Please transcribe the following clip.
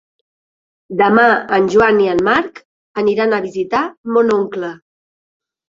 Demà en Joan i en Marc aniran a visitar mon oncle.